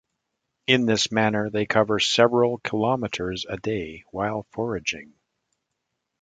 In this manner, they cover several kilometers a day while foraging.